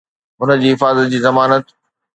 هن جي حفاظت جي ضمانت